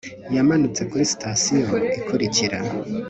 yamanutse kuri sitasiyo ikurikira